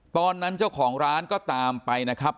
ตอนนั้นเจ้าของร้านก็ตามไปนะครับ